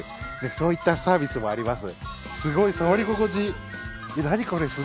そういったサービスもあります。